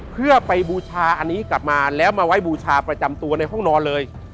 เพื่อไปบูชาอันนี้กลับมาแล้วมาไว้บูชาประจำตัวในห้องนอนเลย